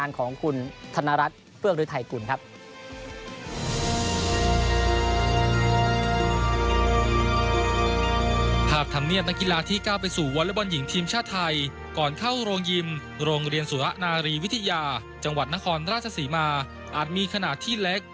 โรงเรียนสุระนารีวิทยาจังหวัดนครราชศรีมาอาจมีขนาดที่เล็ก